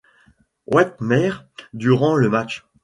Whitmer durant le match.